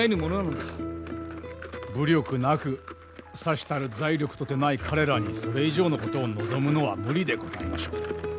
武力なくさしたる財力とてない彼らにそれ以上のことを望むのは無理でございましょう。